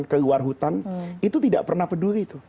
keluar hutan itu tidak pernah peduli itu